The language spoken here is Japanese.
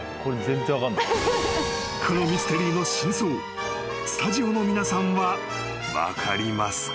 ［このミステリーの真相スタジオの皆さんは分かりますか？］